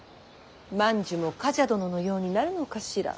万寿も冠者殿のようになるのかしら。